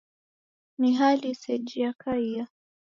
Ni hali seji yakaiya